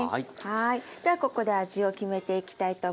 ではここで味を決めていきたいと思います。